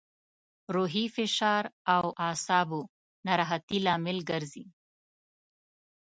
روحي فشار او اعصابو ناراحتي لامل ګرځي.